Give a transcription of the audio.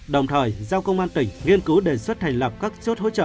đồng thời giao công an tỉnh nghiên cứu đề xuất thành lập các chốt hỗ trợ